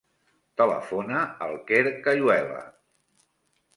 Telefona al Quer Cayuela.